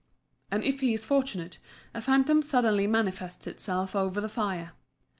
and, if he is fortunate, a phantom suddenly manifests itself over the fire.